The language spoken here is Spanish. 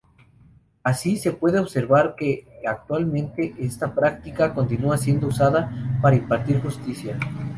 Así, se puede observar que actualmente esta práctica continúa siendo usada para impartir justicia.